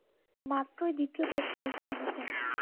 মাত্রই দ্বিতীয় টেস্ট খেলতে নেমেছেন।